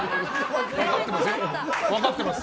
分かってます。